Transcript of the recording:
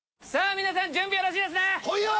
皆さん準備よろしいですね来いよ！